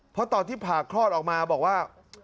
เพราะตอนที่ผ่าคลอดออกมาบอกว่า